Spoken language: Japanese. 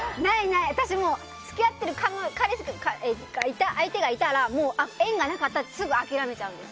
私、付き合ってる人相手がいたらもう縁がなかったってすぐ諦めちゃうんです。